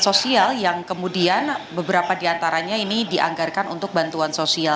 sosial yang kemudian beberapa diantaranya ini dianggarkan untuk bantuan sosial